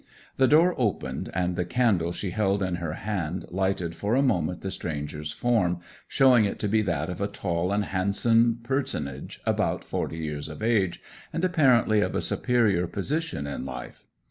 The door opened, and the candle she held in her hand lighted for a moment the stranger's form, showing it to be that of a tall and handsome personage, about forty years of age, and apparently of a superior position in life.